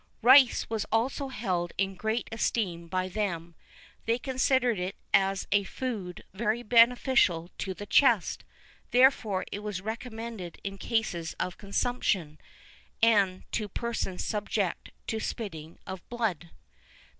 [V 18] Rice was also held in great esteem by them: they considered it as a food very beneficial to the chest; therefore it was recommended in cases of consumption, and to persons subject to spitting of blood.